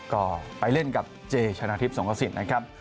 ก็ไปเล่นกับเจชนะทิพย์สงขสิทธิ์นะครับ